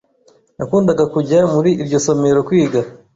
Nakundaga kujya muri iryo somero kwiga.